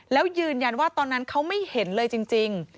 แล้วยืนยันว่าตอนนั้นเขาไม่เห็นเลยจริง